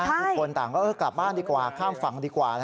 ทุกคนต่างก็กลับบ้านดีกว่าข้ามฝั่งดีกว่า